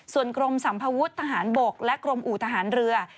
ส่วนกรมสัมภวุฒิทหารบกและกรมอู่ทหารเรือ